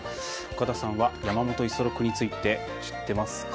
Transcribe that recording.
岡田さんは山本五十六について知ってますか？